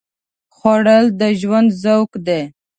خوړل د ژوند ذوق دی